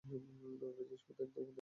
আমার জিনিসে একদম হাত দেবে না।